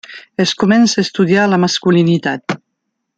Es comença a estudiar la masculinitat.